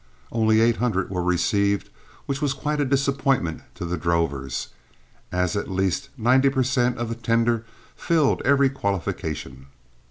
Only eight hundred were received, which was quite a disappointment to the drovers, as at least ninety per cent of the tender filled every qualification.